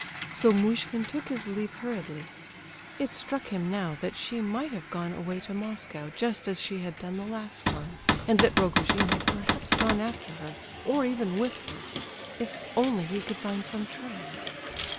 So Muishkin took his leave hurriedly. It struck him now that she might have gone away to Moscow just as she had done the last time, and that Rogojin had perhaps gone after her, or even with her. If only he could find some trace!